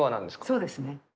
そうですね。